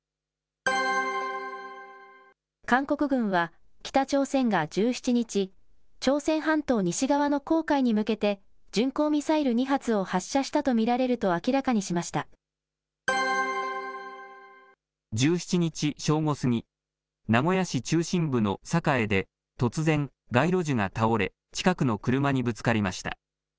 韓国軍は、北朝鮮が１７日、朝鮮半島西側の黄海に向けて、巡航ミサイル２発を発射したと見ら１７日正午過ぎ、名古屋市中心部の栄で突然、街路樹が倒れ、近くの車にぶつかりました。